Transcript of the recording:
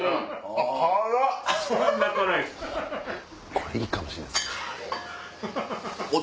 これいいかもしれないです辛っ！